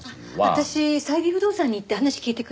私最美不動産に行って話聞いてくる。